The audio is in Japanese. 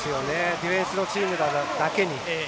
ディフェンスのチームだけに。